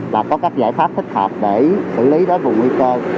là có các giải pháp thích hợp để xử lý đối với vùng nguy cơ